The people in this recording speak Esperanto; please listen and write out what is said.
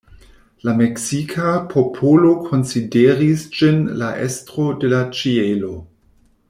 La meksika popolo konsideris ĝin la estro de la ĉielo.